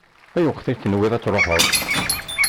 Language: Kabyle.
Ayweq i tenwiḍ ad tṛuḥeḍ?